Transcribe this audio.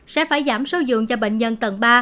sẽ phải giảm sâu dường cho bệnh nhân tầng ba